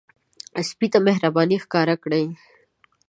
سپي ته مهرباني ښکار کړئ.